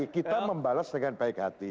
kita membalas dengan baik hati